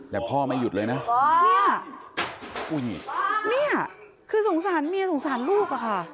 แต่พ่อไม่หยุดเลยนะนี่คือสงสารเมียสงสารลูกค่ะ